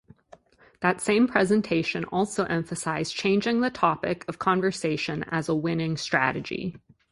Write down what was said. That same presentation also emphasized changing the topic of conversation as a winning strategy.